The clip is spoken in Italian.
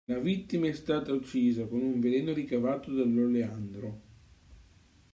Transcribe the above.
La vittima è stata uccisa con un veleno ricavato dall'oleandro.